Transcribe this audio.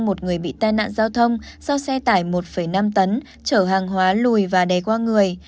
một người bị tai nạn giao thông do xe tải một năm tấn chở hàng hóa lùi và đè qua người